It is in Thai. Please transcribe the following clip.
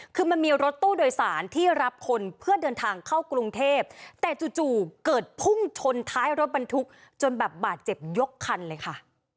คือมันมีรถตู้โดยสารที่รับคนเพื่อเดินทางเข้ากรุงเทพแต่จู่เกิดพุ่งชนท้ายรถบรรทุกจนแบบบาดเจ็บยกคันเลยค่ะ